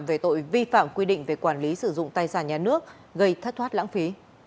về tội vi phạm quy định về quản lý sử dụng tài sản nhà nước gây thất thoát lãng phí